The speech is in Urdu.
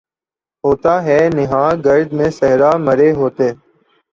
ہوتا ہے نہاں گرد میں صحرا مرے ہوتے